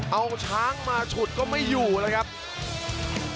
เอาช้างมาฉุดก็ไม่อยู่เข้าไปไปจริง